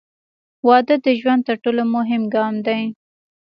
• واده د ژوند تر ټولو مهم ګام دی.